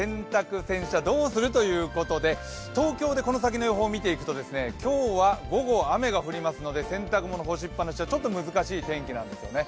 東京でこの先の予報を見ていくと今日は午後雨が亜降りますので洗濯物、干しっぱなしはちょっと難しい天気なんですよね。